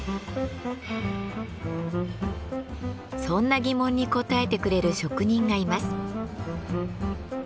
そんな疑問に答えてくれる職人がいます。